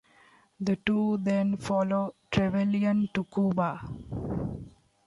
The two then follow Trevelyan to Cuba.